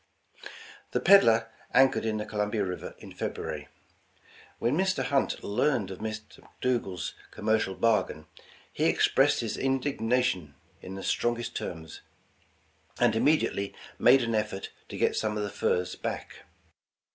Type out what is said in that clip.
"' The Pedler anchored in the Columbia River in Feb ruary. When Mr. Hunt learned of McDougal's com mercial bargain, he expressed his indignation in the strongest terms, and immediately made an effort to get some of the furs back.